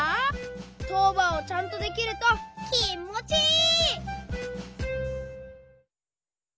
とうばんをちゃんとできるときもちいい！